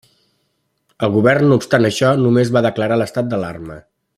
El govern, no obstant això, només va declarar l'estat d'alarma.